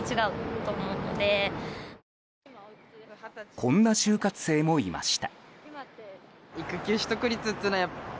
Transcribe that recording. こんな就活生もいました。